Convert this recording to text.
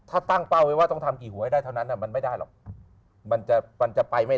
เราต้องทำก็ทำเต็มที่